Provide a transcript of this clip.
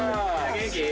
元気？